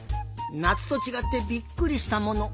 「なつとちがってびっくりしたもの」。